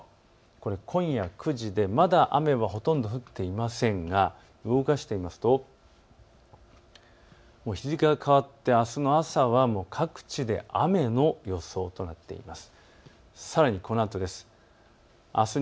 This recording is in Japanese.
これは今夜９時でまだ雨はほとんど降っていませんが、動かすと日付が変わってあすの朝は各地で雨の予想となっています。